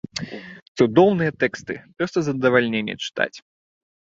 Цудоўныя тэксты, проста задавальненне чытаць.